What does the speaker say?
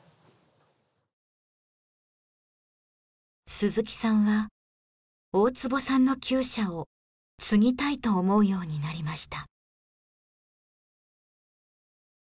鈴木さんは大坪さんのきゅう舎を継ぎたいと思うようになりました。